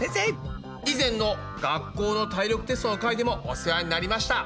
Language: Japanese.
以前の学校の体力テストの回でもお世話になりました。